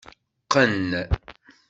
Qqen.